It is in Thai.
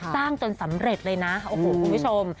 จนสำเร็จเลยนะโอ้โหคุณผู้ชม